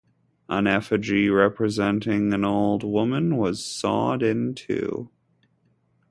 An effigy representing an old woman was sawed in two.